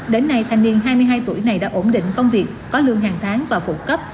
đến nay thanh niên hai mươi hai tuổi này đã ổn định công việc có lương hàng tháng và phụ cấp